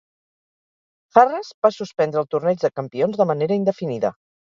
Harrah's va suspendre el Torneig de Campions de manera indefinida.